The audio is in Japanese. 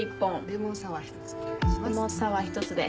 レモンサワー１つで。